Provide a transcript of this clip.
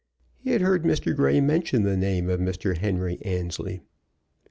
He had heard Mr. Grey mention the name of Mr. Henry Annesley.